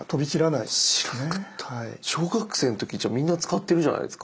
小学生の時じゃあみんな使ってるじゃないですか。